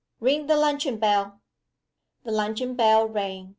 Ring the luncheon bell." The luncheon bell rang.